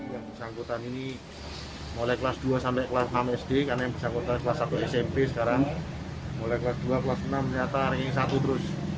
yang bersangkutan ini mulai kelas dua sampai kelas enam sd karena yang bersangkutan kelas satu smp sekarang mulai kelas dua kelas enam ternyata ring satu terus